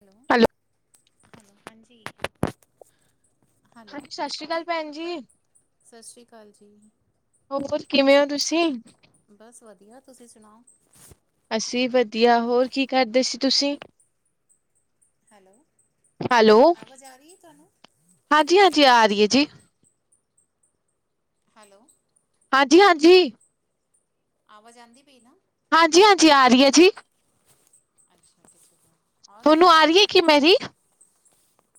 Hello, ਹਾਂਜੀ। Hello ਹਾਂਜੀ, ਸਤਿ ਸ਼੍ਰੀ ਅਕਾਲ ਭੈਣ ਜੀ। ਸਤਿ ਸ਼੍ਰੀ ਅਕਾਲ ਜੀ। ਹੋ ਹੋਰ ਕਿਵੇਂ ਹੋ ਤੁਸੀਂ ਬਸ ਵਧੀਆ, ਤੁਸੀਂ ਸੁਣਾਓ। ਅਸੀਂ ਵਧੀਆ ਹੋਰ ਕੀ ਕਰਦੇ ਸੀ ਤੁਸੀਂ। ਹੈਲੋ। ਹੈਲੋ, ਆਵਾਜ਼ ਆ ਰਹੀ ਹੈ ਤੁਹਾਨੂੰ? ਹਾਂਜੀ-ਹਾਂਜੀ ਆ ਰਹੀ ਹੈ ਜੀ। ਹੈਲੋ। ਹਾਂਜੀ-ਹਾਂਜੀ। ਆਵਾਜ ਆਂਉਦੀ ਪਈ ਨਾ? ਹਾਂਜੀ-ਹਾਂਜੀ, ਆ ਰਹੀ ਐ ਜੀ। ਹਾਂਜੀ, ਵਧੀਆ ਚੱਲਦਾ। ਤੁਹਾਨੂੰ ਆ ਰਹੀ ਹੈ ਕਿ ਮੇਰੀ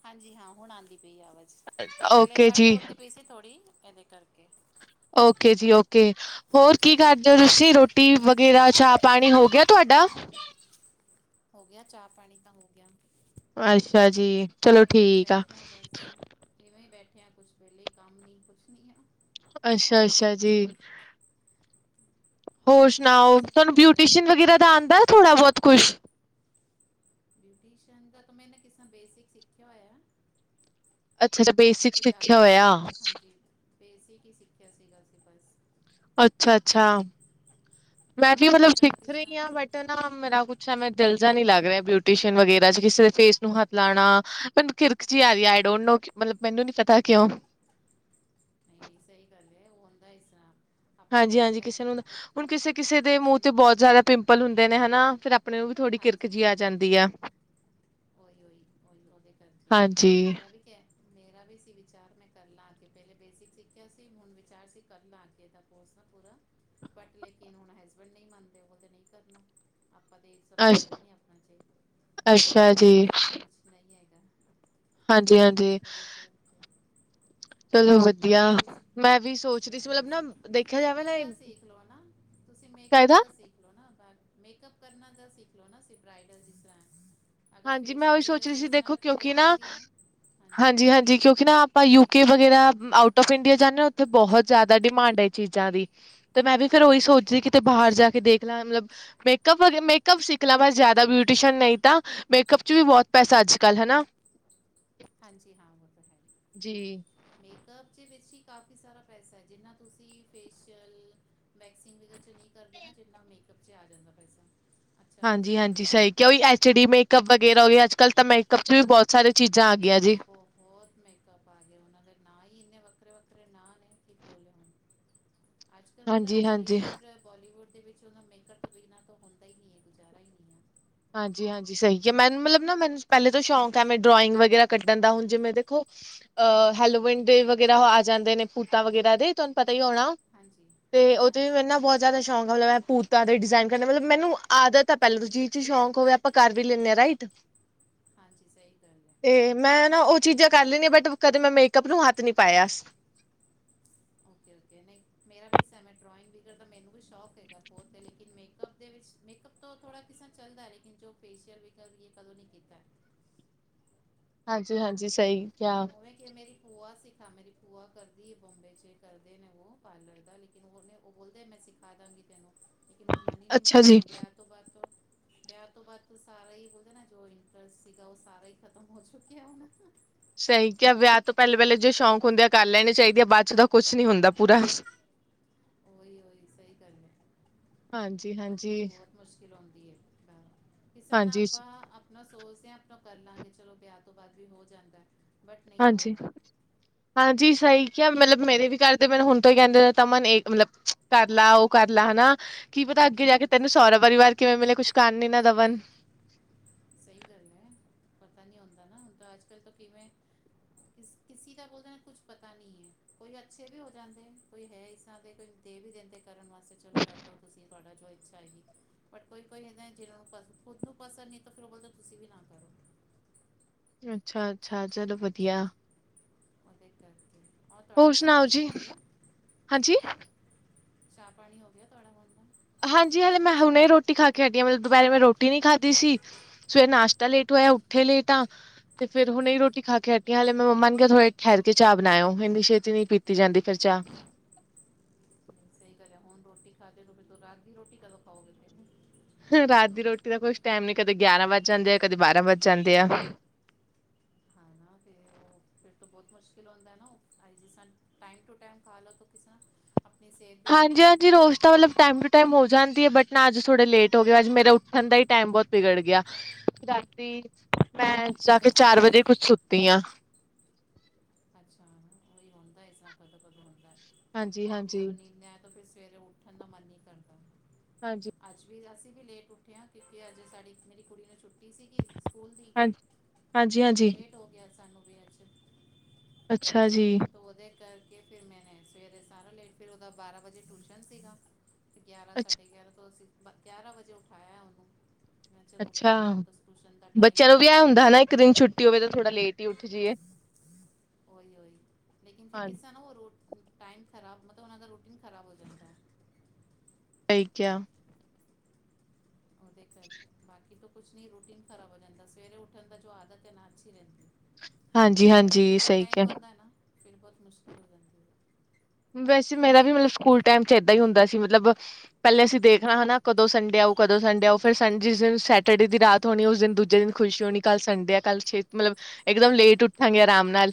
ਹਾਂਜੀ, ਹਾਂ ਹੁਣ ਆਉਂਦੀ ਪਈ ਆਵਾਜ਼। ਪਹਿਲੇ ਓਕੇ ਕੱਟ ਜੀ ਹੁੰਦੀ ਪਈ ਸੀ, ਥੋੜ੍ਹੀ ਇਹਦੇ ਕਰਕੇ ਓਕੇ ਜੀ ਓਕੇ। ਹੋਰ ਕੀ ਕਰਦੇ ਹੋ, ਤੁਸੀਂ ਰੋਟੀ ਵਗੈਰਾ ਚਾਹ ਪਾਣੀ ਹੋ ਗਿਆ ਤੁਹਾਡਾ ਹੋ ਗਿਆ, ਚਾਹ-ਪਾਣੀ ਤਾਂ ਹੋ ਗਿਆ। ਅੱਛਾ ਜੀ। ਚਲੋ ਮੈਂ ਕੇ ਠੀਕ ਆ ਬੈਠਿਆ, ਬਸ ਇਵੇਂ ਹੀ ਬੈਠਿਆ ਕੁਛ ਵੇਲੇ ਹੀ ਕੰਮ ਨੀ ਕੁਛ ਨੀ ਆ। ਅੱਛਾ-ਅੱਛਾ ਜੀ। ਹੋਰ ਔਰ ਸੁਣਾਓ, ਤੁਸੀਂ ਕੀ ਤੁਹਾਨੂੰ ਕਰਦੇ? ਬਿਊਟੀਸਨ ਵਗੈਰਾ ਦਾ ਆਉਂਦਾ, ਥੋੜ੍ਹਾ ਬਹੁਤ ਕੁਛ ਬਿਊਟੀਸ਼ੀਨ ਦਾ ਤਾਂ ਮੈਂ ਨਾ ਕਿਸਾਂ ਬੇਸਿਕ ਸਿੱਖਿਆ ਹੋਇਆ। ਅੱਛਾ-ਅੱਛਾ, ਬਾਕੀ ਬੇਸਿਕ ਤੋਂ ਜ਼ਿਆਦਾ ਸਿੱਖਿਆ ਤਾਂ ਹੋਇਆ। ਉਹਨੇ ਹਾਂਜੀ ਬੇਸਿਕ ਹੀ ਸਿੱਖਿਆ ਸੀਗਾ, ਅਸੀਂ ਬਸ ਅੱਛਾ-ਅੱਛਾ। ਮੈਂ ਵੀ ਬਾਕੀ ਮਤਲਬ ਤਾਂ ਸਿੱਖ ਕਿਸੇ ਰਹੀ ਨਾਲ ਹਾਂ ਬਟ ਨਹੀਂ ਨਾ ਮੇਰਾ ਕੁਛ ਐਵੇਂ ਦਿਲ ਜਿਹਾ ਨੀ ਲੱਗ ਰਿਹਾ, ਬਿਊਟੀ ਵਗੈਰਾ ਚ ਕਿਸੇ ਫੇਸ ਨੂੰ ਹੱਥ ਲਾਉਣਾ। ਕਿਰਕ ਜੀ ਆ, ਆਈ ਡੋਟ ਨੋ ਮਤਲਬ ਮੈਨੂੰ ਨੀ ਪਤਾ ਕਿਉਂ? ਸਹੀ ਗੱਲ ਏ, ਹੁੰਦਾ ਇਸ ਤਰ੍ਹਾਂ ਆਪਾਂ ਨੂੰ ਹਾਂਜੀ-ਹਾਂਜੀ, ਲੱਗਦਾ ਹੈ ਕਿਸੇ ਕਿ ਨੂੰ, ਹੁਣ ਕਿਸੇ-ਕਿਸੇ ਦੇ ਕਿਸੇ ਮੂੰਹ ਨੂੰ ਤੇ ਬਹੁਤ ਹੱਥ ਜ਼ਿਆਦਾ ਪਿੰਪਲ ਹੁੰਦੇ ਨੇ ਹੈਨਾ ਫਿਰ ਆਪਣੇ ਨੂੰ ਵੀ ਥੋੜ੍ਹੀ ਕਿਰਕ ਜਿਹੀ ਆ ਜਾਂਦੀ ਆ। ਓਹੀ-ਉਹੀ-ਉਹੀ, ਉਹਦੇ ਕਰਕੇ ਹਾਂਜੀ ਮੇਰਾ ਵੀ ਕ ਮੇਰਾ ਵੀ ਸੀ ਵਿਚਾਰ ਮੈਂ ਕਰ ਲਾਂ ਕੇ ਪਹਿਲੇ ਬੇਸਿਕ ਸਿੱਖਿਆ ਸੀ, ਹੁਣ ਵਿਚਾਰ ਸੀ ਕਰ ਲਾਂ ਅੱਗੇ ਦਾ ਕੋਰਸ ਪੂਰਾ, ਬਟ ਲੇਕਿਨ ਹੁਣ ਹਸਬੈਂਡ ਨਹੀਂ ਮੰਨਦੇ, ਉਹ ਤੇ ਨਹੀਂ ਕਰਨਾ। ਆਪਾਂ ਤੇ ਇੱਕ ਸੌ ਅਛ ਕੱਢਦੇ ਨੀ ਆਪਣਾ ਚ ਆਪਣੇ ਅੱਛਾ ਚੇ ਸ ਜੀ ਸਾਰਾ ਕੁਛ ਨਹੀਂ ਹੈਗਾ। ਹਾਂਜੀ-ਹਾਂਜੀ। ਇਹਦੇ ਕਰਕੇ ਚਲੋ ਵੱਧੀਆ ਤੁਸੀਂ ਮੈਂ ਵੀ ਸੋਚਦੀ ਸੀ ਸੋ ਮਤਲਬ ਨਾ ਤੁਸੀਂ ਦੇਖਿਆ ਜਾਵੇ ਨਾ ਮੇਕਅਪ ਦਾ ਸਿੱਖ ਲਓ ਨਾ ਤੁਸੀਂ ਮੇਕਅਪ ਕਾਇਦਾ ਦਾ ਸਿੱਖ ਲੋ ਨਾ, [unintelligible] ਮੇਕਅਪ ਕਰਨਾ ਦਾ ਸਿੱਖ ਲਓ ਨਾ, ਬਰਾਈਡਲ ਜਿਸ ਤਰ੍ਹਾਂ ਹੈ। ਅਗਰ ਹਾਂਜੀ ਮੈਂ ਫੇਸ਼ੀਅਲ ਉਹੀ ਵੀ ਸੋਚ ਰਹੀ ਗਰ ਸੀ ਇਸ ਦੇਖੋ ਤਰ੍ਹਾਂ ਕਿਰਾ ਕਿਉਂਕਿ ਨਾ ਕਾਂਦੀ ਹੈ ਹਾਂਜੀ- ਹਾਂਜੀ ਕਿਉਂਕਿ ਨਾ ਆਪ ਆਪਾਂ ਯੂ ਕੇ ਵਗੈਰਾ ਆਊਟ ਆਫ ਇੰਡੀਆ ਜਾਣੇ ਉੱਥੇ ਬਹੁਤ ਜ਼ਿਆਦਾ ਡਿਮਾਂਡ ਹੈ ਇਹ ਚੀਜ਼ਾਂ ਦੀ। ਤੇ ਮੈਂ ਵੀ ਫੇਿਰ ਉਹੀ ਹਾਂਜੀ ਸੋਚਦੀ ਹੋਏ ਕਿਤੇ ਬਾਹਰ ਜਾ ਕੇ ਦੇਖ ਲਾਂ ਮਤਲਬ ਮੇਕਅਪ ਵਗ ਮੇਕਅਪ ਸਿੱਖ ਲਾਂ ਬਸ ਜ਼ਿਆਦਾ ਬਿਊ ਟਿਊਸ਼ਨ ਨਹੀਂ ਤਾਂ ਮੇਕਅਪ ਚ ਵੀ ਬਹੁਤ ਪੈਸਾ ਹੈ ਅੱਜ ਕੱਲ੍ਹ। ਹਨਾ? ਹਾਂਜੀ ਹਾਂ ਉਹ ਤੇ ਹੈ। ਜੀ। ਮੇਕਅਪ ਚ ਵਿੱਚ ਹੀ ਕਾਫੀ ਸਾਰਾ ਪੈਸਾ ਹੈ, ਜਿੰਨਾ ਤੁਸੀਂ ਫੇਸ਼ੀਅਲ ਵੈਕਸਿੰਗ ਵਗੈਰਾ ਚ ਨਹੀਂ ਕਰਦੇ ਨਾ ਜਿੰਨਾ ਮੇਕਅਪ ਚ ਆ ਜਾਂਦਾ ਪੈਸਾ। ਅੱਛਾ ਹਾਂਜੀ-ਹਾਂਜੀ, ਸਹੀ ਕਿ ਉਈ ਐਚ ਡੀ ਮੇਕਅੱਪ ਵਗੈਰਾ ਹੋ ਗਿਆ। ਅੱਜ ਕੱਲ੍ਹ ਤਾਂ ਮੇਕਅਪ ਚ ਵੀ ਬਹੁਤ ਸਾਰੀਆਂ ਚੀਜ਼ਾਂ ਆ ਗਈਆਂ ਜੀ। [inaudible] [inaudible] ਬਹੁਤ ਮੇਕਅਪ ਆ ਗਿਆ, ਉਹਨਾਂ ਦੇ ਨਾ ਹੀ ਇੰਨੇ ਵੱਖਰੇ-ਵੱਖਰੇ ਨਾਂ ਨੇ ਕੀ ਬੋਲਿਆ। ਅੱਜ ਕੱਲ ਬੋਲਦੇ ਨਾ ਹਾਂਜੀ-ਹਾਂਜੀ, ਹੌਲੀਵੁਡ। ਬੋਲੀਵੁੱਡ ਦੇ ਵਿੱਚ ਨਾ ਮੇਕਅਪ ਤੋਂ ਬਿਨਾਂ ਤਾ ਹੁੰਦਾ ਹੀ ਨਹੀਂ ਹੈ, ਗੁਜ਼ਾਰਾ ਹੀ ਨਹੀਂ ਹੈ। ਹਾਂਜੀ-ਹਾਂਜੀ ਸਹੀ ਹੈ, ਮੈਨੂੰ ਮਤਲਬ ਨਾ ਮੈਨੂੰ ਪਹਿਲੇ ਤੋਂ ਸ਼ੌਂਕ ਹੈ ਮੈਂ ਡਰਾਇੰਗ ਵਗੈਰਾ ਕੱਢਣ ਦਾ ਹੁਣ ਜਿਵੇਂ ਦੇਖੋ। ਅ ਹੈਲੋਵਨ ਡੇ ਵਗੈਰਾ ਆ ਜਾਂਦੇ ਨੇ ਭੂਤਾਂ ਵਗੈਰਾ ਦੇ ਤੁਹਾਨੂੰ ਪਤਾ ਹੀ ਹੋਣਾ। ਤੇ ਉਹਦੇ ਵੀ ਮੈਨੂੰ ਹਾਂਜੀ-ਹਾਂਜੀ-ਹਾਂਜੀ। ਨਾ ਬਹੁਤ ਜ਼ਿਆਦਾ ਸ਼ੌਕ ਮਤਲਬ ਮੈਂ ਭੂਤਾਂ ਦੇ ਡਿਜਾਈਨ ਕਰਨੇ ਮਤਲਬ ਮੈਨੂੰ ਆਦਤ ਹੈ ਪਹਿਲਾਂ ਤੋਂ [unintelligible] ਸ਼ੌਕ ਕੋਈ ਆਪਾਂ ਕਰ ਵੀ ਲੈਣੇ ਹਾਂ, ਰਾਈਟ? ਹਾਂਜੀ ਸਹੀ ਗੱਲ ਹੈ ਤੇ ਮੈਂ ਨਾ ਉਹ ਚੀਜ਼ਾਂ ਕਰ ਲੈਣੀ ਆ ਬਟ ਕਦੇ ਮੈਂ ਮੇਕਅਪ ਨੂੰ ਹੱਥ ਨਹੀਂ ਪਾਇਆ। ਓਕੇ-ਓਕੇ ਨਹੀਂ ਮੇਰਾ ਵੀ ਹਿੱਸਾ ਹੈ ਮੈਂ ਡਰੋਇੰਗ ਕ੍ਰਿਕੇਟ ਦਾ ਮੈਨੂੰ ਵੀ ਸ਼ੌਕ ਹੈਗਾ ਬਹੁਤ ਹੇ, ਲੇਕਿਨ ਮੇਕਅਪ ਦੇ ਵਿੱਚ ਮੇਕਅਪ ਤੋਂ ਥੋੜਾ ਕਿਸਰਾ ਚੱਲਦਾ ਲੇਕਿਨ ਜੋ ਫੇਸ਼ੀਅਲ ਵੀ [unintelligible] ਕਦੋਂ ਨੀ ਕੀਤਾ। ਹਾਂਜੀ-ਹਾਂਜੀ ਸਹੀ ਕਿਹਾ। ਉਹ- ਉਵੇਂ ਕਿ ਮੇਰੀ ਭੂਆ ਸਿੱਖ ਆ ਮੇਰੀ ਭੂਆ ਕਰਦੀ ਬੰਬੇ ਚ ਕਰਦੇ ਨੇ ਉਹ ਪਾਰਲਰ ਦਾ ਲੇ ਉਹ ਬੋਲਦੇ ਮੈਂ ਸਿਖਾ ਦਾਂਗੀ, ਤੈਨੂੰ ਲੇਕਿਨ ਹੁਣ ਮਨ ਹੀ ਨਹੀਂ ਅੱਛਾ ਮੰਨਦਾ, ਜੀ ਹੁਣ ਵਿਆਹ ਤੋਂ ਬਾਅਦ ਵਿਆਹ ਤੋਂ ਬਾਅਦ ਤੇ ਸਾਰਾ ਹੀ ਬੋਲਦੇ ਨਾ ਜੋ ਇੰਟਰਸਟ ਸੀਗਾ ਉਹ ਸਾਰਾ ਹੀ ਖਤਮ ਹੋ ਚੁੱਕਿਆ ਹੁਣ। ਸਹੀ ਕਿਹਾ ਵਿਆਹ ਤੋਂ ਪਹਿਲੇ-ਪਹਿਲੇ ਜੇ ਸ਼ੌਂਕ ਹੁੰਦੇ ਆ ਕਰ ਲੈਣੀ ਚਾਹੀਦੀ ਆ ਬਾਅਦ ਚ ਦਾ ਕੁਛ ਨਹੀਂ ਹੁੰਦਾ ਪੂਰਾ। ਓਹੀ-ਓਹੀ ਸਹੀ ਗੱਲ ਏ। ਹਾਂਜੀ ਹਾਂਜੀ ਬਹੁਤ ਮੁਸ਼ਕਿਲ ਆਉਂਦੀ ਹੇ, ਮ ਕਿਸੇ ਨਾ ਹਾਂਜੀ ਆਪਾਂ ਆ ਨਾ ਸੋਚਦੇ ਹਾਂ ਆਪਾਂ ਕਰ ਲਾਂਗੇ ਚਲੋ ਵਿਆਹ ਤੋਂ ਬਾਅਦ ਵੀ ਹੋ ਜਾਂਦਾ। ਬਟ ਨਹੀਂ ਹਾਂਜੀ। ਹੁੰਦਾ ਹਾਂਜੀ ਸਹੀ ਕਿਹਾ ਤੁਸੀਂ ਮਤਲਬ ਮੇਰੇ ਵੀ ਕਰ ਦੇ ਮੈਨੂੰ ਹੁਣ ਤੋਂ ਹੀ ਕਹਿੰਦੇ ਤ ਮਨ ਏਕ ਮਤਲਬ ਕਰ ਲਾ ਉਹ ਕਰ ਲਾ ਹਨਾ ਕੀ ਪਤਾ ਅੱਗੇ ਜਾ ਕੇ ਤੈਨੂੰ ਹਾਂਜੀ ਸਹੁਰਾ ਪਰਿਵਾਰ ਕਿਵੇਂ ਮਿਲੇ ਕੁਛ ਕਰਨ ਨੀ ਨਾ ਦਵਨ। ਸਹੀ ਗੱਲ ਐ ਪਤਾ ਨਹੀਂ ਹੁੰਦਾ ਨਾ, ਹੁਣ ਤਾਂ ਅੱਜ ਕੱਲ੍ਹ ਤਾਂ ਕਿਵੇਂ ਕਿਸ ਕਿਸੀ ਕਾ ਬੋਲਣਾ ਕੁੱਛ ਪਤਾ ਨਹੀਂ ਏ, ਕੋਈ ਅੱਛੇ ਵੀ ਹੋ ਜਾਂਦੇ। ਕੋਈ ਹੈ ਇਸ ਸਾਲ ਦੇ ਕੋਈ ਦੇ ਵੀ ਦਿੰਦੇ ਕਰਨ ਵਾਸਤੇ ਚਲੋ ਕਰ ਲਓ ਤੁਸੀਂ ਤੁਹਾਡਾ ਜੋ ਇੱਛਾ ਹੈਗੀ। ਬਟ ਕੋਈ ਕੋਈ ਹੁੰਦਾ ਜਿਹੜਾ [unintelligible] ਖੁਦ ਨੂੰ ਪਸ ਨਹੀਂ ਤਾਂ ਫਿਰ ਉਹ ਬੋਲਦਾ ਤੁਸੀਂ ਵੀ ਨਾ ਕਰੋ। ਅੱਛਾ-ਅੱਛਾ ਚਲੋ ਵੱਧੀਆ। ਉਹਦੇ ਕਰਕੇ ਅ ਤੁਹਾਡਾ ਹੋਰ ਚਾਹ ਸੁਣਾਓ ਪਾਣੀ ਜੀ ਹੋ ਗਿਆ। ਹਾਂਜੀ। ਚਾਹ ਪਾਣੀ ਹੋ ਗਿਆ ਤੁਹਾਡਾ ਹੁਣ ਦਾ। ਹਾਂਜੀ ਹੱਲੇ ਮੈਂ ਹੁਣੇ ਰੋਟੀ ਖਾ ਕੇ ਹਟੀ ਆ ਦੁਪਹਿਰੇ ਮੈਂ ਰੋਟੀ ਨਹੀਂ ਖਾਦੀ ਸੀ। ਸਵੇਰ ਨਾਸ਼ਤਾ ਲੇਟ ਹੋਇਆ, ਅੱਛਾ ਉੱਠੇ ਲੇਟ ਆ। ਤੇ ਫਿਰ ਹੁਣ ਇ ਰੋਟੀ ਖਾ ਕੇ ਹਟੀ ਆਂ, ਹੱਲੇ ਮੈਂ ਮੰਮਾ ਨੂੰ ਕਿਹਾ ਥੋੜੇ ਠਹਿਰ ਕੇ ਚਾਹ ਬਣਾਇਓ ਇੰਨੀ ਛੇਤੀ ਨਹੀਂ ਪੀਤੀ ਤੇ ਜਾਂਦੀ ਫਿਰ ਚਾਹ ਨਹੀਂ, ਸਹੀ ਗੱਲ ਹੈ ਹੁਣ ਰੋਟੀ ਖਾਦੀ ਤੋਂ ਫਿਰ ਤੋਂ ਰਾਤ ਦੀ ਰੋਟੀ ਕਦੋਂ ਖਾਓਗੇ। ਹ ਰਾਤ ਦੀ ਰੋਟੀ ਦਾ ਕੁਛ ਟਾਈਮ ਨਹੀਂ ਕਦੇ ਗਿਆਰਾਂ ਵੱਜ ਜਾਂਦੇ ਆ ਕਦੇ ਬਾਰਾਂ ਵੱਜ ਜਾਂਦੇ ਆ। ਹਨਾ ਤੇ ਉਹ ਫਿਰ ਤੇ ਬਹੁਤ ਮੁਸ਼ਕਿਲ ਹੁੰਦਾ ਨਾ ਓ ਆਏ ਦੇ ਸਨ ਟਾਈਮ ਟੂ ਟਾਈਮ ਖਾਲੋ [unintelligible] ਹਾਂਜੀ -ਹਾਂਜੀ ਰੋਜ਼ ਦਾ ਮਤਲਬ ਟਾਈਮ ਟ ਟਾਈਮ ਹੋ ਜਾਂਦੀ ਹੈ ਬਟ ਨਾ ਅੱਜ ਥੋੜ੍ਹੇ ਲੇਟ ਹੋ ਗਏ ਅੱਜ ਮੇਰਾ ਉੱਠਣ ਦਾ ਹੀ ਟਾਈਮ ਬਹੁਤ ਵਿਗੜ ਗਿਆ। ਰਾਤੀ ਮੈਂ ਜਾ ਕੇ ਚਾਰ ਵਜੇ ਕੁੱਛ ਸੁੱਤੀ ਆ। ਅੱਛਾ ਉਹੀ ਹੁੰਦਾ ਇਸ ਤਰ੍ਹਾਂ ਕਦੋਂ-ਕਦੋਂ ਹੁੰਦਾ ਰਾਤੀ ਹਾਂਜੀ-ਹਾਂਜੀ, ਕਦੋਂ ਨੀਂਦ ਨਹੀਂ ਆਈ ਤਾਂ ਫਿਰ ਸਵੇਰੇ ਉੱਠਣ ਦਾ ਮਨ ਨਹੀਂ ਕਰਦਾ। ਹਾਂਜੀ ਅੱਜ ਵੀ ਅਸੀਂ ਵੀ ਲੇਟ ਉੱਠੇ ਹਾਂ ਕਿਉਂਕਿ ਅੱਜ ਸਾਡੀ ਮੇਰੀ ਕੁੜੀ ਨੂੰ ਛੁੱਟੀ ਸੀਗੀ। ਸਕੂਲ ਦੀ ਤ ਹਾਂਜੀ-ਹਾਂਜੀ, ਲੇਟ ਹੋ ਗਿਆ ਸਾਨੂੰ ਵੀ ਅੱਜ ਅੱਛਾ ਜੀ ਉਹਦੇ ਕਰਕੇ ਫਿਰ ਮੈਨੇ ਸਵੇਰੇ ਸਾਰਾ ਲੇਟ ਫਿਰ ਉਹਦਾ ਬਾਰਾਂ ਵਜੇ ਟਿਊਸ਼ਨ ਸੀਗਾ ਗਿਆਰਾਂ ਅੱਛ ਸਾਢੇ ਗਿਆਰਾਂ ਤੋਂ ਅਸੀਂ ਬ ਗਿਆਰਾਂ ਵਜੇ ਉਠਾਇਆ ਉਹਨੂੰ ਮੈਂ ਚਲੋ ਉੱਠ ਅੱਛਾ, ਜਾਵਾ ਹੁਣ ਟੁਸ ਟਊਸ਼ਨ ਦਾ ਟਾਈਮ ਹੋ ਗਿਆ ਹੁਣ ਤਾਂ। ਕਿ ਹੋਵੇ ਜੇ ਥੋੜਾ ਲੇਟ ਹੀ ਉੱਠ ਜੀਏ। ਓਹੀ ਹੋਈ ਲੇਕਿਨ ਫਿਰ ਹਾਂ, ਕਿੱਸਾ ਨਾ ਹੋਰ ਰੋ ਟਾਈਮ ਖ਼ਰਾਬ ਮਤਲਬ ਉਹਨਾਂ ਦਾ ਰੂਟੀਨ ਖ਼ਰਾਬ ਹੋ ਜਾਂਦਾ ਹੈ। ਸਹੀ ਕਿਹਾ। ਉਹਦੇ ਕਰਕੇ ਬਾਕੀ ਤੋਂ ਕੁਛ ਨਹੀਂ ਰੂਟੀਨ ਖਰਾਬ ਹੋ ਜਾਣ ਤਾਂ ਸਵੇਰੇ ਉਠਣ ਦਾ ਜੋ ਆਦਤ ਹੈ ਨਾ ਅੱਛੀ ਰਹਿੰਦੀ ਫ ਜਦ ਹਾਂਜੀ-ਹਾਂਜੀ ਸਕੂਲ ਦਾ ਸਹੀ ਟਾਈਮ ਕਿਹਾ। ਆਉਂਦਾ ਨਾ ਫਿਰ ਬਹੁਤ ਮੁਸ਼ਕਿਲ ਹੋ ਜਾਂਦੀ ਹੈ। ਵੈਸੇ ਮੇਰਾ ਵੀ ਮਤਲਬ ਸਕੂਲ ਟਾਈਮ ਚ ਏਦਾਂ ਹੀ ਹੁੰਦਾ ਸੀ ਮਤਲਬ ਪਹਿਲੇ ਅਸੀਂ ਦੇਖਣਾ ਨਾ ਕਦੋਂ ਸੰਡੇ ਆਉ ਕਦੋਂ ਸੰਡੇ ਆਉ ਫਿਰ ਸੰਡੇ ਜਿਸ ਦਿਨ ਸੈਟਰਡੇ ਦੀ ਰਾਤ ਉਸ ਦਿਨ ਦੂਜੇ ਦਿਨ ਖੁਸ਼ੀ ਹੋਣੀ ਕੱਲ੍ਹ ਸੰਡੇ ਆ ਕੱਲ ਛੇ ਮਤਲਬ ਇਕਦਮ ਲੇਟ ਉੱਠਾਂਗੇ ਆਰਾਮ ਨਾਲ।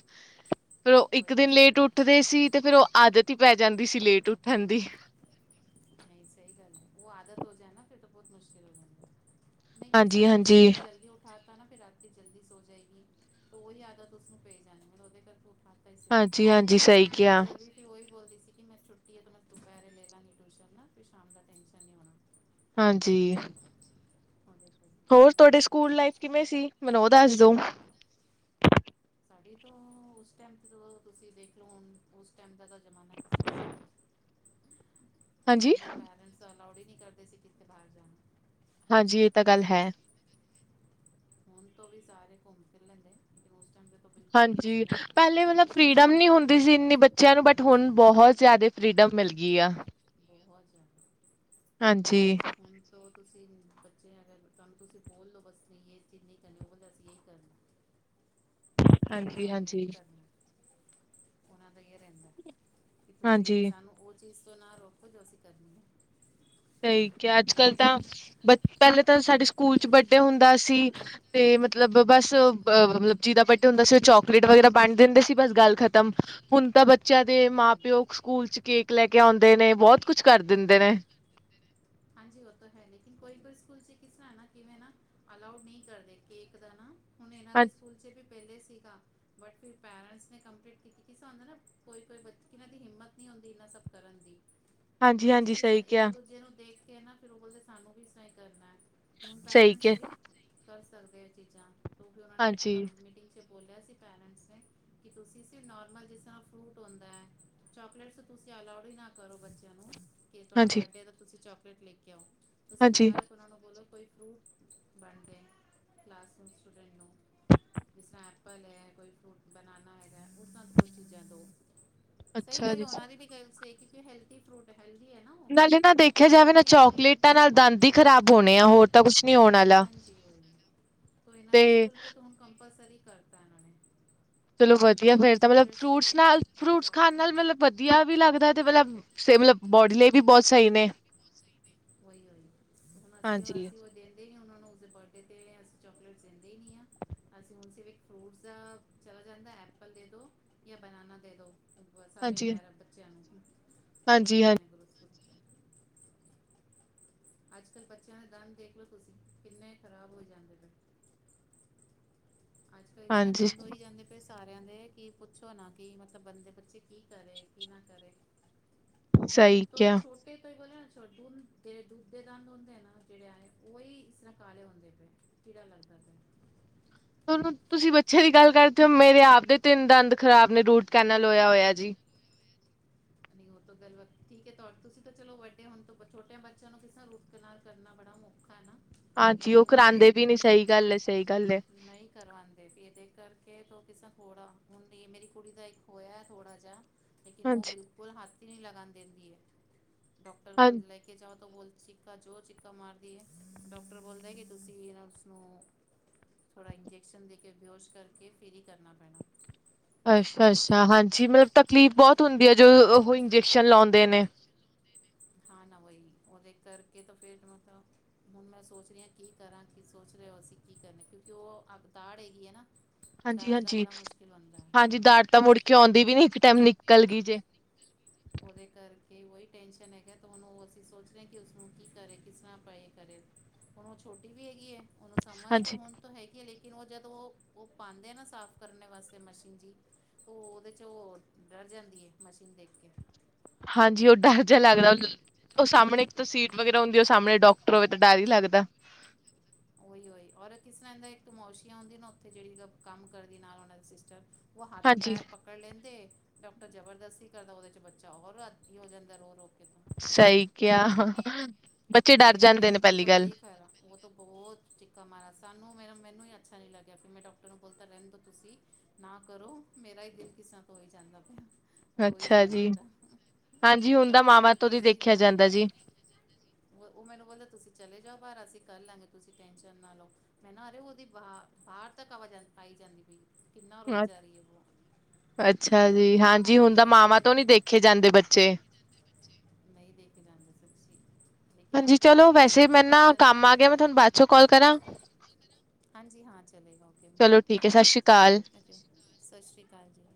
ਫਿਰ ਉਹ ਇੱਕ ਉਹੀ ਦਿਨ ਉਹੀ ਲੇਟ ਉੱਠਦੇ ਸੀ ਤੇ ਫੇਿਰ ਉਹ ਆਦਤ ਹੀ ਪੈ ਜਾਂਦੀ ਸੀ ਲੇਟ ਉੱਠਣ ਦੀ। ਨਹੀਂ ਸਹੀ ਗੱਲ ਹੈ ਉਹ ਆਦਤ ਹੋ ਜਾ ਨਾ ਫਿਰ ਤਾਂ ਬਹੁਤ ਮੁਸ਼ਕਿਲ ਹੋ ਜਾਂਦਾ। ਨਹੀਂ ਕਿਸੇ ਹੁਣ ਹਾਂਜੀ-ਹਾਂਜੀ, ਸਵੇਰੇ ਜਲਦੀ ਉੱਠ ਉਠਾ ਤਾ ਨਾ ਫਿਰ ਰਾਤੀ ਜਲਦੀ ਸੋ ਜਾਏਗੀ, ਤੇ ਉਹੀ ਆਦਤ ਉਸਨੂੰ ਪੈ ਜਾਣੀ ਫਿਰ ਉਹਦੇ ਕਰਕੇ ਖਤਾ ਹੀ ਸੀ ਹਾਂਜੀ-ਹਾਂਜੀ ਸਹੀ ਉਹਨੂੰ ਕਿਹਾ, ਟੀਚਰ ਵੀ ਉਹੀ ਬੋਲਦੀ ਸੀ ਕਿ ਮੈਂ ਛੁੱਟੀ ਤੇ ਮੈਂ ਦੁਪਹਿਰੇ ਲੈ ਲਾਂਗੀ। ਟਿਊਸ਼ਨ ਨਾ ਫਿਰ ਸ਼ਾਮ ਦਾ ਟੈਂਨਸ਼ਨ ਨਹੀਂ ਹੋਣਾ। ਹਾਂਜੀ ਹੋਰ ਤੁਹਾਡੇ ਸਕੂਲ ਲਾਈਫ ਕਿਵੇਂ ਸੀ, ਮੈਨੂੰ ਉਹ ਦੱਸ ਦੋ? ਸਾਡੀ ਤੋਂ ਉਸ ਟਾਈਮ ਤੇ ਜਦੋਂ ਤੁਸੀਂ ਦੇਖ ਲਓ ਹੁਣ ਉਸ ਟਾਈਮ ਦਾ ਤਾਂ ਜ਼ਮਾਨਾ ਕਿਸ ਤਰ੍ਹਾਂ ਸੀਗਾ। ਪੈਰੈਂਟਸ ਹਾਂਜੀ ਪੈਦਲ ਤਾਂ ਅਲਾਊਡ ਹੀ ਨਹੀਂ ਕਰਦੇ ਸੀ ਕਿੱਥੇ ਬਾਹਰ ਜਾਣਾ। ਹਾਂਜੀ ਇਹ ਤਾਂ ਗੱਲ ਹੈ। ਹੁਣ ਤੋਂ ਵੀ ਸਾਰੇ ਘੁੰਮ ਫਿਰ ਲੈਂਦੇ। ਉਸ ਟਾਈਮ ਦੇਖੋ ਬਿਲਕੁਲ ਨਹੀਂ ਹਾਂਜੀ ਸੀਗਾ। ਪਹਿਲੇ ਮਤਲਬ ਫਰੀਡਮ ਨਹੀਂ ਹੁੰਦੀ ਸੀ ਇੰਨੀ ਬੱਚਿਆਂ ਨੂੰ ਬਟ ਹੁਣ ਬਹੁਤ ਜ਼ਿਆਦਾ ਫਰੀਡਮ ਮਿਲ ਗਈ ਆ। ਇਹ ਹੋ ਜਾ ਹਾਂਜੀ ਹੁਣ ਚਲੋ ਤੁਸੀਂ ਬੱਚੇ ਅਗਰ ਕੰਮ ਤੁਸੀਂ ਬੋਲਦੋ ਬਸ ਨਹੀਂ ਇਹ ਚੀਜ਼ ਨਹੀਂ ਕਰਨੀ ਉਹ ਕੰਦਾ ਅਸੀ ਇਹੀ ਕਰਨੀ। ਇਹੀ ਹਾਂਜੀ-ਹਾਂਜੀ ਕਰਨਾ ਉਹਨਾਂ ਦਾ ਇਹ ਰਹਿੰਦਾ, ਕਿ ਤੁਸੀਂ ਹਾਂਜੀ ਸਾਨੂੰ ਉਹ ਚੀਜ਼ ਤੋਂ ਨਾ ਰੋਕੋ ਜੋ ਅਸੀਂ ਕਰਨੀ ਹੈ। ਸਹੀ ਕਿਹਾ ਅੱਜ ਕੱਲ੍ਹ ਤਾਂ ਬ ਪਹਿਲੇ ਤਾਂ ਸਾਡੇ ਸਕੂਲ ਚ ਬਰਡੇ ਹੁੰਦਾ ਸੀ ਤੇ ਮਤਲਬ ਬਸ ਅ ਮਤਲਬ ਜੀਦਾ ਪੱਟੇ ਹੁੰਦਾ ਸੀ ਉਹ ਚੋਕਲੇਟ ਵਗੈਰਾ ਵੰਡ ਦਿੰਦੇ ਸੀ ਬਸ ਗੱਲ ਖ਼ਤਮ। ਹੁਣ ਤਾਂ ਬੱਚਿਆਂ ਦੇ ਮਾਂ ਹਾਂਜੀ ਪਿਓ ਸਕੂਲ ਚ ਕੇਕ ਲੈ ਕੇ ਆਉਂਦੇ ਨੇ ਬਹੁਤ ਕੁਛ ਕਰ ਦਿੰਦੇ ਨੇ। ਹਾਂਜੀ ਉਹ ਤੋ ਹੈ ਲੇਕਿਨ ਕੋਈ-ਕੋਈ ਸਕੂਲ ਚ ਕਿਸ ਤਰ੍ਹਾਂ ਨਾ ਕਿਵੇਂ ਨਾ। ਅਲਾਉਡ ਨਹੀਂ ਕਰਦੇ ਕੇਕ ਦਾ ਨਾ, ਹੁਣ ਇਹਨਾਂ ਦੇ ਹਾਂਜੀ ਸਕੂਲ ਚ ਵੀ ਪਹਿਲੇ ਸੀਗਾ। ਬਟ ਫਿਰ ਪੇਰੈਂਟਸ ਨੇ ਕੰਪਲੈਂਟ ਕੀਤੀ ਕੀ ਸਾਨੂੰ ਨਾ ਕੋਈ-ਕੋਈ ਇਹਨਾਂ ਦੀ ਹਿੰਮਤ ਨੀ ਹੁੰਦੀ ਇਨਾ ਸਭ ਕਰਨ ਦੀ। ਹਾਂਜੀ ਬੱਚੇ ਹਾਂਜੀ ਕਿਸ ਸਹੀ ਤਰ੍ਹਾਂ ਇੱਕ ਕਿਹਾ ਦੂਜੇ ਨੂੰ ਦੇਖ ਕੇ ਨਾ ਫਿਰ ਉਹ ਬੋਲਦੇ ਸਾਨੂੰ ਵੀ ਐਸਾ ਹੀ ਕਰਨਾ ਹੈ, ਤੇ ਹੁਣ ਸਹੀ ਪੈਰੈਂਟਸ ਕਿਹਾ ਥੋੜੀ ਕਰ ਸਕਦੇ ਏ ਚੀਜ਼ਾਂ ਕਿੳਕਿ ਉਹਨਾਂ ਨੇ ਹਾਂਜੀ। ਮੀਟਿੰਗ ਚ ਬੋਲਿਆ ਸੀ ਪੇਰੈਂਟਸ ਨੇ ਕਿ ਤੁਸੀਂ ਸੀ ਨੋਰਮਲ ਜਿਸ ਤਰ੍ਹਾਂ ਫਰੂਟ ਹੁੰਦਾ ਹੈ, ਚੋਕਲੇਟਸ ਤੁਸੀਂ ਅਲਾੳਡ ਹੀ ਨਾ ਕਰੋ ਬੱਚਿਆਂ ਨੂੰ। ਕਿ ਤੁਹਾਡਾ ਹਾਂਜੀ, ਬਰਡੇ ਏ ਤੇ ਤੁਸੀਂ ਚੋਕਲੇਟ ਲੈ ਕੇ ਆਓ, ਤੁਸੀਂ ਹਾਂਜੀ। ਡਾਰੇੱਕਟ ਉਹਨਾ ਨੂੰ ਬੋਲੋ ਕੋਈ ਫਰੂਟ ਵੰਡ ਦੇਣ, ਕਲਾਸਰੂਮ ਸਟੂਡੈਂਟ ਨੂੰ ਜਿਸ ਤਰ੍ਹਾਂ ਐੱਪਲ ਹੈ, ਕੋਈ ਫਰੂਟ ਬਨਾਨਾ ਹੈਗਾ, ਉਸ ਤਰ੍ਹਾਂ ਕੋਈ ਚੀਜ਼ਾਂ ਦੋ। ਸਹੀ ਅੱਛਾ ਗੱਲ ਜੀ। ਉਹਨਾਂ ਦੀ ਵੀ ਗਲ ਸਹੀ ਏ ਕਿਉਂਕਿ ਹੈਲਦੀ ਫਰੂਟ ਹੈਲਦੀ ਹੈ ਨਾ ਉਹ ਵੀ, ਨਾਲੇ ਨਾ ਦੇਖਿਆ ਜਾਵੇ ਚਾੱਕਲੇਟ ਨਾ ਚੋਕਲੇਟਾਂ ਨਾਲ ਦੰਦ ਹੀ ਖ਼ਰਾਬ ਹੋਣੇ ਆ ਹੋਰ ਤਾਂ ਕੁਛ ਨੀ ਹੋਣ ਆਲਾ। ਹਾਂਜੀ ਉਹੀ ਤੋ ਇਹਨਾਂ ਤੇ ਦੇ ਸਕੂਲ ਚ ਤੇ ਹੁਣ ਕੰਪਲਸਰੀ ਕਰਤਾ ਇਹਨਾਂ ਨੇ। ਚਲੋ ਵਧੀਆ ਫੇਰ ਤਾਂ ਮਤਲਬ ਚਾਕਲੇਟਸ ਤੋਂ ਫਰੂਟਸ ਲੈ ਨਾਲ, ਫਰੂਟਸ ਖਾਣ ਚੌਕ ਨਾਲ ਮਤਲਬ ਵਧੀਆ ਵੀ ਲੱਗਦਾ ਤੇ ਮਤਲਬ ਸਬ ਬੋਡੀ ਲਈ ਵੀ ਬਹੁਤ ਸਹੀ ਨੇ। ਉਹੀ ਉਹੀ, ਹੁਣ ਅਸੀਂ ਹਾਂਜੀ। ਅਸੀਂ ਉਹ ਕਦੇ ਨੇ ਉਹਨਾ ਨੂੰ ਉਸਦੇ ਬਰਡੇ ਤੇ ਅਸੀਂ ਚੋਕਲੇਟ ਦਿੰਦੇ ਹੀ ਨੀ ਆ। ਅਸੀਂ ਹੁਣ ਸ ਫਰੂਟਸ ਦਾ ਚਲਾ ਜਾਂਦਾ ਐਪਲ ਦੇ ਦੋ ਜਾਂ ਬਨਾਨਾ ਦੇ ਦੋ। ਸਾਰੇ ਹਾਂਜੀ, ਪਿਆਰੇ ਬੱਚਿਆਂ ਨੂੰ ਜੀ, ਉਹ ਹਾਂਜੀ, ਹਾਂ ਦੇਨੇ ਆ। ਅੱਜ ਕੱਲ੍ਹ ਬੱਚਿਆਂ ਦੇ ਦੰਦ ਦੇਖਲੋ ਤੁਸੀਂ, ਕਿੰਨੇ ਖ਼ਰਾਬ ਹੋ ਜਾਂਦੇ ਨੇ। ਅੱਜ ਕਲ ਇਸ ਤਰ੍ਹਾਂ ਹਾਂਜੀ, ਦੰਦ ਹੋ ਹੀ ਜਾਂਦੇ ਫਿਰ ਸਾਰਿਆਂ ਦੇ, ਕੀ ਪੁੱਛੋ ਨਾ ਕਿ ਮਤਲਬ ਬੰਦੇ ਬੱਚੇ ਕੀ ਕਰੇ, ਕੀ ਨਾ ਕਰੇ [inaudible] ਹੁਣ ਤੋਂ ਹੀ ਕਿਹਾ। ਸੋਚ ਕੋਈ ਬੋਲਿਆ ਨਾ ਦੁਧ ਦੇ, ਦੁੱਧ ਦੇ ਦੰਦ ਹੁੰਦੇ ਆ ਨਾ ਜਿਹੜੇ ਆਏ, ਉਹੀ ਇਸ ਤਰ੍ਹਾਂ ਕਾਲੇ ਹੁੰਦੇ ਪਏ। ਕੀੜਾ ਲੱਗਦਾ ਪਯਾ। ਤੁਸੀਂ ਬੱਚੇ ਦੀ ਤੋਂ ਗੱਲ ਹੀ। ਕਰਦੇ ਹੋ, ਮੇਰੇ ਆਪ ਦੇ ਤਿੰਨ ਦੰਦ ਖਰਾਬ ਨੇ। ਰੂਟ ਕੈਨਲ ਹੋਇਆ ਹੋਇਆ ਜੀ। ਉਹ ਤਾਂ ਗੱਲਬਾਤ ਠੀਕ ਹੈ ਤੁਹਾਡੀ, ਤੁਸੀਂ ਤਾਂ ਚਲੋ ਵੱਡੇ ਹੋ, ਹੁਣ ਤੋਂ ਛੋਟਿਆਂ ਬੱਚਿਆਂ ਨੂੰ ਕਿਸ ਤਰਾਂ ਰੂਟ ਕਨਾਲ ਕਰਨਾ ਬੜਾ ਔਖਾ ਹੈ ਨਾ। ਹਾਂਜੀ ਉਹ ਕਰਾਉਂਦੇ ਵੀ ਨੀ, ਸਹੀ ਗੱਲ ਏ, ਸਹੀ ਗੱਲ ਏ। ਨਹੀ ਕਰਵਾਂ ਦੇ ਇਹਦੇ ਕਰਕੇ ਤ ਕਿਸ ਥੋੜਾ, ਹੁਣ ਮੇਰੀ ਕੁੜੀ ਦਾ ਇੱਕ ਹੋਇਆ ਥੋੜਾ ਜਾ ਲੇਕਿਨ ਉਹ ਹਾਂਜੀ। ਬਿਲਕੁਲ ਹੱਥ ਹੀ ਨਹੀਂ ਲਗਾਣ ਦਿੰਦੀ ਹੈ। ਡਾਕਟਰ ਕੋਲ ਹਾਂਜੀ। ਲੇ ਲੇ ਕੇ ਜਾਓ ਤਾਂ ਬੋਲ ਚਿੱਕਾ ਜੋ ਚਿੱਕਾ ਮਾਰਦੀ ਹੈ, ਡਾਕਟਰ ਬੋਲਦਾ ਕਿ ਤੁਸੀਂ ਉਸਨੂੰ ਥੋੜ੍ਹਾ ਇੰਜੈਕਸ਼ਨ ਦੇ ਕੇ, ਬੇਹੋਸ਼ ਕਰਕੇ ਫਿਰ ਹੀ ਕਰਨਾ ਪੈਣਾ। ਅੱਛਾ- ਅੱਛਾ, ਹਾਂਜੀ ਮਤਲਬ ਤਕਲੀਫ਼ ਬਹੁਤ ਹੁੰਦੀ ਹੈ ਜਦੋ ਉਹ ਇੰਜੈਕਸ਼ਨ ਲਾਉਂਦੇ ਨੇ। ਹਾਂ ਨਾ ਵਹੀ, ਉਹਦੇ ਕਰਕੇ ਤਾਂ ਫੇਰ ਮਤਲਬ ਹੁਣ ਮੈਂ ਸੋਚ ਰਹੀ ਹਾਂ ਕੀ ਕਰਾਂ, ਕੀ ਸੋਚ ਰਹੇ ਹੋਸੀਂ ਕੀ ਕਰਨੇ, ਕਿਉਂਕਿ ਉਹ ਅੱ ਦਾੜ ਹੈਗੀ ਹੈ ਨਾ ਹਾਂਜੀ- ਦਾੜ ਦਾ ਹਾਂਜੀ- ਬੜਾ ਮੁਸ਼ਕਿਲ ਹੁੰਦਾ ਹੈ ਹਾਂਜੀ ਦਾੜ ਤਾਂ ਮੁੜ ਕੇ ਆਉਂਦੀ ਵੀ ਨੀ, ਇੱਕ ਟਾਈਮ ਨਿਕਲ ਗਈ ਜੇ। ਉਹਦੇ ਕਰਕੇ ਉਹੀ ਟੈਨਸ਼ਨ ਹੈਗਾ, ਤੇ ਹੁਣ ਉਹ ਅਸੀਂ ਸੋਚ ਰਹੇ ਹਾਂ ਕਿ ਉਸਨੂੰ ਕੀ ਕਰੇ ਕਿਸ ਤਰ੍ਹਾਂ ਪਏ ਕਰੇ ਹੁਣ ਉਹ ਛੋਟੀ ਵੀ ਹੈਗੀ ਹੈ, ਉਹਨੂੰ ਸਮਝ ਤਾਂ ਹਾਂਜੀ, ਹੁਣ ਤਾਂ ਹੈਗੀ ਹੈ, ਲੇਕਿਨ ਕਿਓਂ ਉਹ ਜਦੋਂ ਉਹ ਪਾਉਂਦੇ ਨਾ ਸਾਫ਼ ਕਰਨ ਵਾਸਤੇ ਮਸ਼ੀਨ ਜੀ ਔ ਉਹਦੇ ਚ ਉਹ ਡਰ ਜਾਂਦੀ ਹੈ ਮਸ਼ੀਨ ਦੇਖ ਕੇ ਹਾਂਜੀ ਉਹ ਡਰ ਜਿਹਾ ਲੱਗਦਾ ਉਹ ਸਾਹਮਣੇ ਇੱਕ ਤਾਂ ਸੀਟ ਵਗੈਰਾ ਹੁੰਦੀ ਏ, ਉਹ ਸਾਹਮਣੇ ਡਾਕਟਰ ਹੋਵੇ ਤਾਂ ਡਰ ਹੀ ਲੱਗਦਾ। ਔਹੀ ਔਹੀ ਔਰ ਕਿਸ ਤਰ੍ਹਾਂ ਇੱਕ ਮੋਸ਼ੀ ਹੁੰਦੀ ਨਾ, ਉੱਥੇ ਜਿਹੜੀ ਕੰਮ ਕਰਦੀ ਨਾਲ ਉਹਨਾਂ ਦੇ ਸਿਸਟਰ ਉਹ ਹੱਥ- ਹਾਂਜੀ, ਪੈਰ ਪੱਕੜ ਪਕੜ ਲੈਂਦੇ, ਡਾਕਟਰ ਜਬਰਦਸਤੀ ਕਰਦਾ, ਉਹਦੇ ਚ ਬੱਚਾ ਹੋਰ ਹੋ ਜਾਂਦਾ ਰੋ ਰੋ ਕੇ ਸਹੀ ਕਹਿਆ। ਮੇ ਮੇਰੀ ਕੁੜੀ ਤਾਂ ਬੜੀ, ਖ਼ਰਾਬ ਉਹ ਤਾਂ ਬਹੁਤ ਚਿੱਕਾ ਮਾਰਾ, ਸਾਨੂੰ ਮੇਰਾ ਮੈਨੂੰ ਹੀ ਅੱਛਾ ਨੀ ਲੱਗਿਆ, ਫਿਰ ਮੈਂ ਡਾਕਟਰ ਨੂੰ ਬੋਲਤਾ ਰਹਿੰਦਾ ਤੁਸੀ ਨਾ ਕਰੋ, ਮੇਰਾ ਹੀ ਦਿਲ ਕਿਸਾਂ ਤਾਂ ਹੋਈ ਜਾਂਦਾ ਪਿਆ। ਉਹ ਰੋਈ ਅੱਛਾ ਜਾ ਰਹੀ ਹੈ ਜੀ, ਤਾਂ, ਹਾਂਜੀ ਹੁਣ ਤਾਂ ਡਾਕਟਰ ਬੋਲੇ ਮਾਵਾਂ ਤੋਂ ਨੀ ਤੁਸੀਂ ਦੇਖਿਆ ਨਾ ਜਾਂਦਾ ਦੇਖੋ ਜੀ। ਉਹ ਮੈਨੂੰ ਬੋਲਦਾ, ਤੁਸੀਂ ਚਲੇ ਜਾਓ ਬਾਹਰ, ਅਸੀਂ ਕਰ ਲਾਂਗੇ, ਤੁਸੀਂ ਟੈਨਸ਼ਨ ਨਾ ਲੋ। ਮੈਂ ਨਾ ਅਰੇ, ਉਹਦੀ ਬਾਹ ਬਾਹਰ ਤੱਕ ਆਵਾਜ ਆਈ ਜਾਂਦੀ ਪਈ। ਕਿੰਨਾ ਰੋਈ ਜਾ ਰਹੀ ਹੈ ਉਹ ਅੱਛਾ ਜੀ, ਹਾਂਜੀ ਉਹਦੇ ਹੁਣ ਤਾਂ ਮਾਵਾਂ ਕਰਕੇ ਤੋਂ ਨੀ ਫਿਰ ਦੇਖੇ ਜਾਂਦੇ ਬੱਚੇ ਨਹੀਂ ਦੇ ਕੇ ਜਾਂਦੇ ਸੀ ਤੁਸੀਂ। ਹਾਂਜੀ। ਚਲੋ ਵੈਸੇ ਮੇਰੇ ਨਾ ਕੰਮ ਆ ਗਿਆ ਮੈਂ ਬੱਚਿਆਂ ਤੁਹਾਨੂੰ ਤੋਂ ਬਾਅਦ ਚੋਂ ਕਾਲ ਕਰਾਂ। ਹਾਂਜੀ। ਹਾਂ ਚਲੇਗਾ ਓਕੇ, ਚਲੋ ਠੀਕ ਐ, ਸਤਿ ਸ਼੍ਰੀ ਅਕਾਲ। ਸਤਿ ਸ਼੍ਰੀ ਅਕਾਲ ਜੀ।